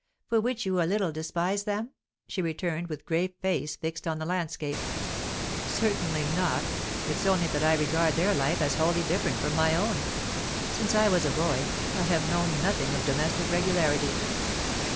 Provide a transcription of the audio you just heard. "For which you a little despise them?" she returned, with grave face fixed on the landscape. "Certainly not. It's only that I regard their life as wholly different from my own. Since I was a boy, I have known nothing of domestic regularity."